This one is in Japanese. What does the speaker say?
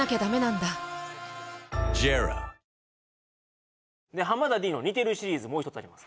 帰れば「金麦」で田Ｄの似てるシリーズもう一つあります